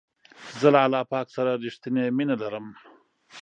زه له الله پاک سره رښتنی مینه لرم.